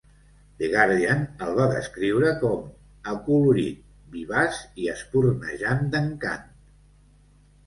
The Guardian el va descriure com "Acolorit, vivaç i espurnejant d'encant".